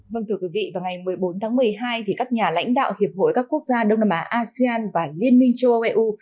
vâng thưa quý vị vào ngày một mươi bốn tháng một mươi hai thì các nhà lãnh đạo hiệp hội các quốc gia đông nam á asean và liên minh châu âu eu